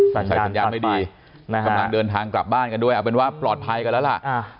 ใช้สัญญาณไม่ดีกำลังเดินทางกลับบ้านกันด้วยเอาเป็นว่าปลอดภัยกันแล้วล่ะ